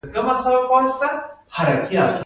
د وریښمو چینجی څه خوراک کوي؟